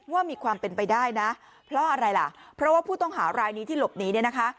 ว่ามีความเป็นไปได้นะเพราะอะไรล่ะเพราะว่าผู้ต้องหารายนี้ที่หลบหนีเนี่ยนะคะ